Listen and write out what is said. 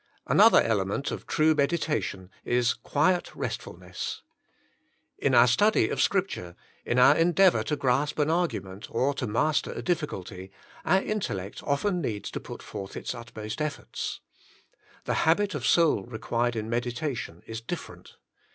Another element of true meditation is quiet restfulness. In our study of Scripture, in our en deavour to grasp an argument, or to master a difficulty, our intellect often needs to put forth its utmost efforts. The habit of soul required in meditation is different.